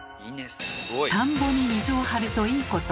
田んぼに水を張ると「いいこと」